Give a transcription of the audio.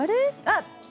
あっ！